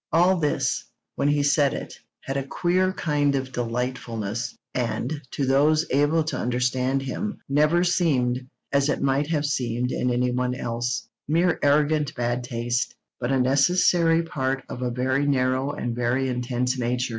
All this, when he said it, had a queer kind of delightfulness, and, to those able to understand him, never seemed, as it might have seemed in any one else, mere arrogant bad taste, but a necessary part of a very narrow and very intense nature.